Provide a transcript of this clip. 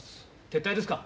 撤退ですか？